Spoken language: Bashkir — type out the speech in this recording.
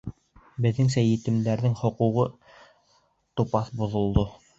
Беҙҙеңсә, етемдәрҙең хоҡуҡтары тупаҫ боҙолдо.